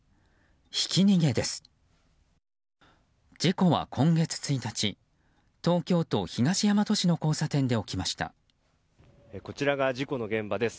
ひき逃げです。